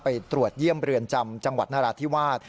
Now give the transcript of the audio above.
ไปตรวจเยี่ยมเรือนจำจังหวัดนราธิวาส